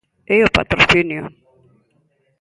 E o patrocinio.